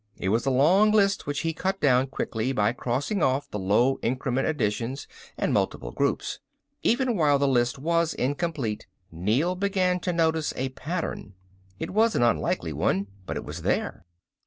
It was a long list which he cut down quickly by crossing off the low increment additions and multiple groups. Even while the list was incomplete, Neel began to notice a pattern. It was an unlikely one, but it was there.